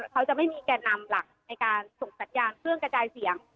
เขาจะไม่มีแก่นำหลักในการส่งสัญญาณเครื่องกระจายเสียง